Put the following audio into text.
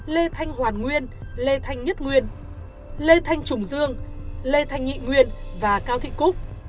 lê thanh hoàn nguyên lê thanh nhất nguyên lê thanh trùng dương lê thanh nhị nguyên và cao thị cúc